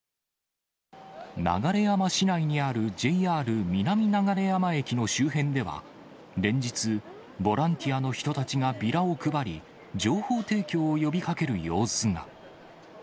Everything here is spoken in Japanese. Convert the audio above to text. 流山市内にあるＪＲ南流山駅の周辺では、連日、ボランティアの人たちがビラを配り、情報提供を呼びかける様子が。